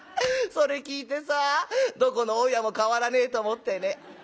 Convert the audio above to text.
それ聞いてさどこの大家も変わらねえと思ってね」。